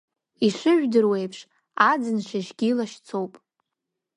Ишыжәдыруа еиԥш, аӡын шьыжьгьы лашьцоуп.